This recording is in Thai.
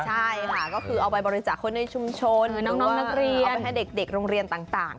ใช่ค่ะก็คือเอาไปบริจาคคนในชุมชนน้องนักเรียนเอาไปให้เด็กโรงเรียนต่าง